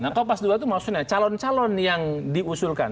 nah kopas dua itu maksudnya calon calon yang diusulkan